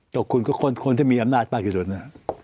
ตกคุณก็คนที่มีอำนาจประกิจุดนะ